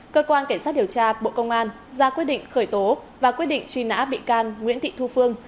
cơ quan cảnh sát điều tra bộ công an ra quyết định khởi tố và quyết định truy nã bị can nguyễn thị thu phương